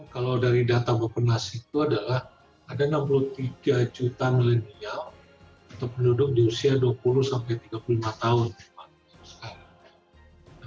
kalau dari data bapak nas itu adalah ada enam puluh tiga juta milenial atau penduduk di usia dua puluh sampai tiga puluh lima tahun